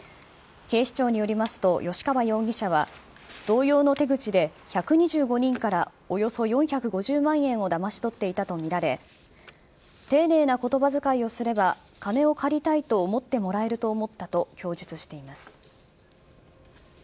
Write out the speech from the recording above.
警視庁によりますと吉川容疑者は同様の手口で１２５人からおよそ４５０万円をだまし取っていたとみられ丁寧な言葉遣いをすれば金を借りたいと思ってもらえると思ったと供述しています。